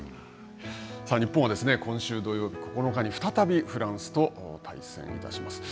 さあ、日本は今週土曜日、９日に再びフランスと対戦いたします。